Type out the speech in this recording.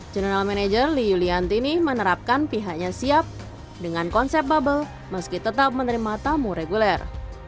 general manager li yuliantini menerapkan pihaknya siap dengan konsep bubble meski tetap menerima tamu reguler